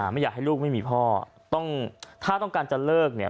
ไม่อยากให้ลูกไม่มีพ่อต้องถ้าต้องการจะเลิกเนี่ย